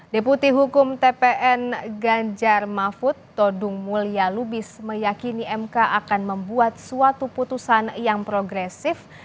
deputi hukum tpn ganjar mahfud todung mulia lubis meyakini mk akan membuat suatu putusan yang progresif